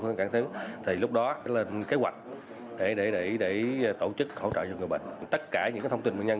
ngoài việc kêu gọi hỗ trợ cho người bệnh gặp khó khăn